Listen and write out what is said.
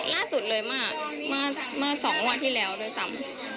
ล่าสุดเลยมากมาสองวันที่แล้วโดยซ้ำ